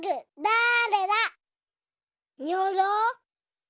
にょろ。